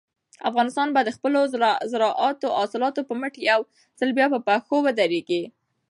افغانستان به د خپلو زارعتي حاصلاتو په مټ یو ځل بیا په پښو ودرېږي.